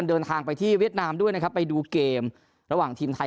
เดินทางไปที่เวียดนามด้วยนะครับไปดูเกมระหว่างทีมไทย